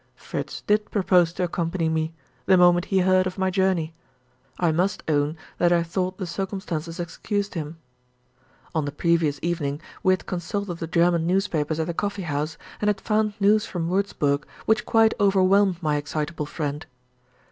Fritz did propose to accompany me, the moment he heard of my journey. I must own that I thought the circumstances excused him. On the previous evening, we had consulted the German newspapers at the coffee house, and had found news from Wurzburg which quite overwhelmed my excitable friend.